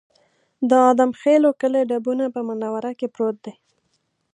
د ادم خېلو کلی ډبونه په منوره کې پروت دی